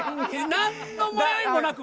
なんの迷いもなく。